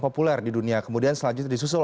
populer di dunia kemudian selanjutnya disusul